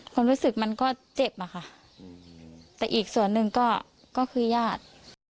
ความรู้สึกมันก็เจ็บอะค่ะแต่อีกส่วนหนึ่งก็คือญาติ